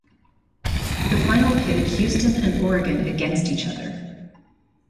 The final pitted Houston and Oregon against each other.